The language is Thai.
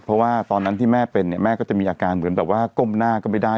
เพราะว่าตอนนั้นที่แม่เป็นเนี่ยแม่ก็จะมีอาการเหมือนแบบว่าก้มหน้าก็ไม่ได้